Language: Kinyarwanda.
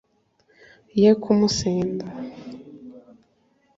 ye kumusenda